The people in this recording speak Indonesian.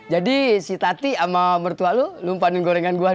jadi si tati sama mertua lo lo panen gorengan gue doang